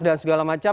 dan segala macam